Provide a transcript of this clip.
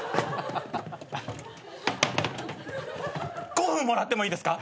５分もらってもいいですか？